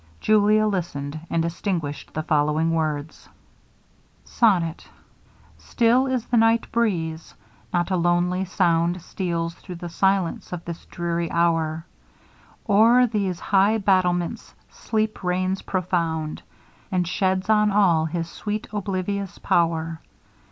Julia listened, and distinguished the following words; SONNET Still is the night breeze! not a lonely sound Steals through the silence of this dreary hour; O'er these high battlements Sleep reigns profound, And sheds on all, his sweet oblivious power.